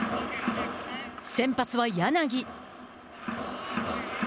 先発は柳。